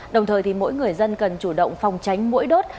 đồng thời thì mỗi người dân cần chủ động phòng tránh mũi đốt